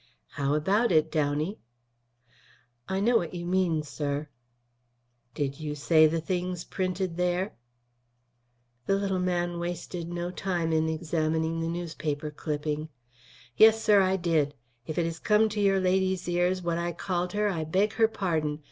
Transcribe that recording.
"How about it, Downey?" "I know what you mean, sir." "Did you say the things printed there?" The little man wasted no time in examining the newspaper clipping. "Yes, sir, I did. If it has come to your lady's ears what I called her, I beg her pardon.